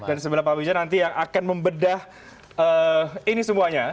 dan sebelah pak wijan nanti yang akan membedah ini semuanya